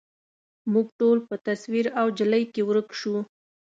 موږ ټول په تصویر او انجلۍ کي ورک شوو